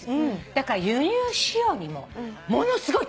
だから輸入しようにもものすごい高い。